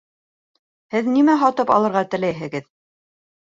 Һеҙ нимә һатып алырға теләйһегеҙ?